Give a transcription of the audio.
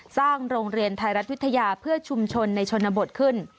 สร้างโรงเรียนไทยรัฐวิทยาเพื่อชุมชนในชนบทขึ้น